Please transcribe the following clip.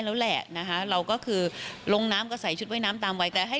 แล้วแหละนะคะเราก็คือลงน้ำก็ใส่ชุดว่ายน้ำตามวัยแต่ให้